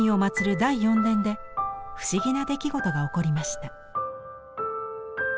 第四殿で不思議な出来事が起こりました。